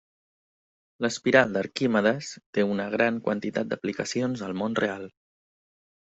L'espiral d'Arquimedes té una gran quantitat d'aplicacions al món real.